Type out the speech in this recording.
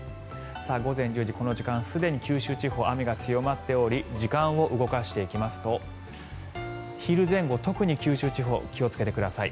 午前１０時、この時間すでに九州地方は雨が強まっており時間を動かしていきますと昼前後、特に九州地方気をつけてください。